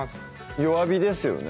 弱火ですよね